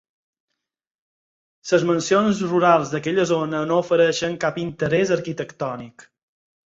Les mansions rurals d'aquella zona no ofereixen cap interès arquitectònic